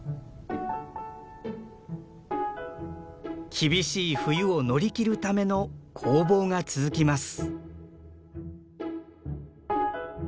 厳しい冬を乗り切るための攻防が続きます。